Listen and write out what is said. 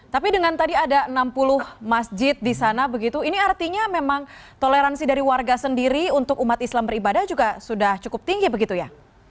tapi dengan tadi ada enam puluh masjid di sana begitu ini artinya memang toleransi dari warga sendiri untuk umat islam beribadah juga sudah cukup tinggi begitu ya